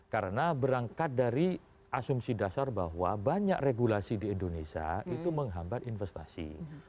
karena berangkat dari asumsi dasar bahwa banyak regulasi di indonesia itu menghambat investasi